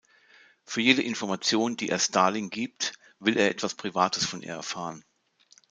Für jede Information, die er Starling gibt, will er etwas Privates von ihr erfahren.